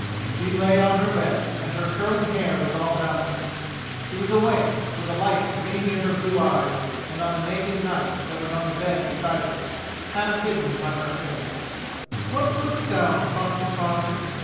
She lay on her bed, and her curling hair was all about her. She was awake, for the light gleamed in her blue eyes, and on a naked knife that was on the bed beside her, half hidden by her hair. "What wouldst thou, foster father?"